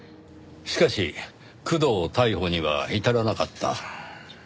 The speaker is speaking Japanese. しかし工藤逮捕には至らなかった。